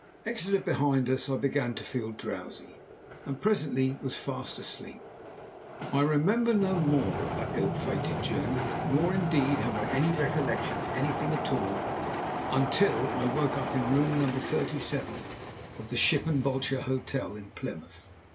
Exeter behind us, I began to feel drowsy, and presently was fast asleep. I remember no more of that ill fated journey; nor, indeed, have I any recollection of anything at all, until I woke up in Room No. 37 of the Ship and Vulture Hotel in Plymouth.